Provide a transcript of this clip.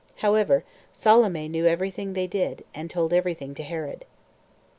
However, Salome knew every thing they did, and told every thing to Herod.